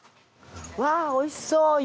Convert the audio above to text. わあおいしそう。